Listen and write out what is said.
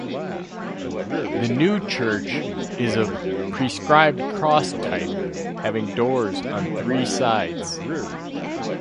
The new church is of "prescribed cross" type, having doors on three sides.